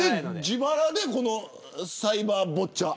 自腹でサイバーボッチャ。